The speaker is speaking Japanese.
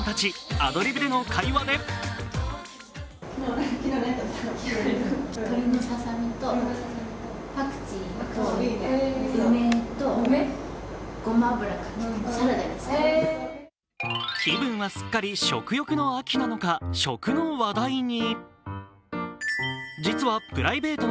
アドリブでの会話で気分は、すっかり食欲の秋なのか食の話題に。